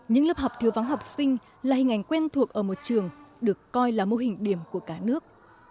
những lớp học thiếu vắng học sinh là hình ảnh quen thuộc ở một trường được coi là mô hình điểm của cả nước